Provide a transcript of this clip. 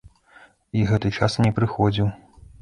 І гэты час не прыходзіў.